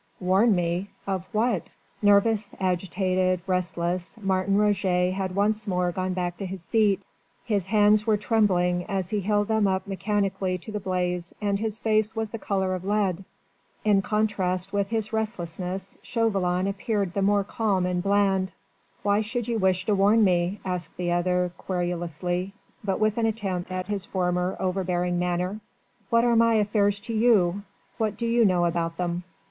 "Warn me? Of what?" Nervous, agitated, restless, Martin Roget had once more gone back to his seat: his hands were trembling as he held them up mechanically to the blaze and his face was the colour of lead. In contrast with his restlessness Chauvelin appeared the more calm and bland. "Why should you wish to warn me?" asked the other querulously, but with an attempt at his former over bearing manner. "What are my affairs to you what do you know about them?"